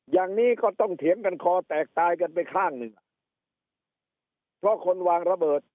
อย่างนี้ก็ต้องเถียงกันคอแตกตายกันไปข้างหนึ่งอ่ะเพราะคนวางระเบิด